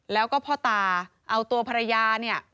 แล้วก็พ่อตาเอาตัวภรรยาเนี่ย